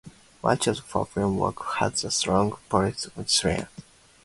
Much of her film work has a strong political slant.